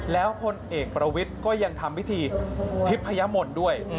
แล้วพลเอกประวิทย์ก็ยังทำพิธีทิพยมนต์ด้วย